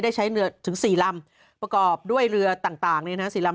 ได้ใช้เรือถึงที่๔ลำประกอบด้วยเรือต่างนี้นะ๔ลำ